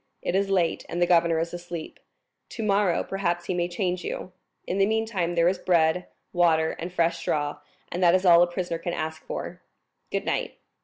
"It is late, and the governor is asleep. Tomorrow, perhaps, he may change you. In the meantime there is bread, water, and fresh straw; and that is all a prisoner can wish for. Goodnight."